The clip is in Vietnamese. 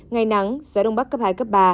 ngày nắng gió đông bắc cấp hai cấp ba